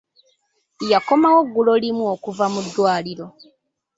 Yakomawo ggulo limu okuva mu ddwaliro.